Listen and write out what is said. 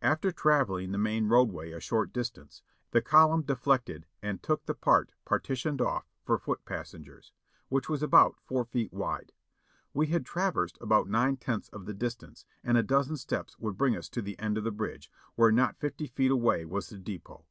After traveling the main roadway a short distance, the column deflected and took the part partitioned off for foot passengers, which was about four feet wide. We had traversed about nine tenths of the distance, and a dozen steps would bring us to the end of the bridge, where not TPIE SECOND ESCAPE 489 fifty feet away was the depot.